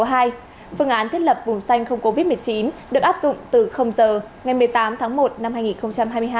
phương án thiết lập vùng xanh không covid một mươi chín được áp dụng từ giờ ngày một mươi tám tháng một năm hai nghìn hai mươi hai